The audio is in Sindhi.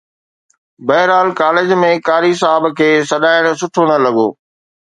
بهرحال ڪاليج ۾ قاري صاحب کي سڏائڻ سٺو نه لڳو